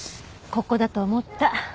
ここだと思った。